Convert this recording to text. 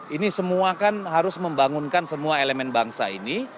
ini semua kan harus membangunkan semua elemen bangsa ini